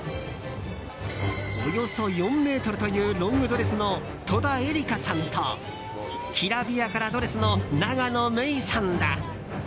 およそ４ｍというロングドレスの戸田恵梨香さんときらびやかなドレスの永野芽郁さんだ。